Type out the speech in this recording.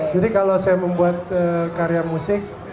jadi kalau saya membuat karya musik